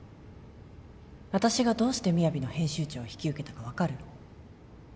私がどうしてＭＩＹＡＶＩの編集長を引き受けたか分かる？